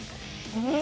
うん。